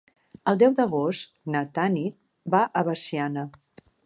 El deu d'agost na Tanit va a Veciana.